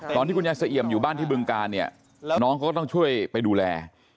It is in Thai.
ตอนที่คุณยายเสียเอี่ยมอยู่บ้านที่บึงการเนี่ยน้องเขาก็ต้องช่วยไปดูแล